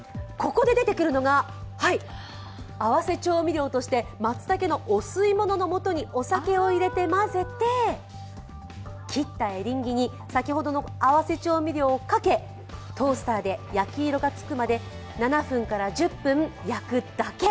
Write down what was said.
ここで出てくるのが、合わせ調味料としてまつたけのお吸い物の素にお酒を入れて混ぜて切ったエリンギに先ほどの合わせ調味料をかけトースターで焼き色がつくまで７分から１０分焼くだけ。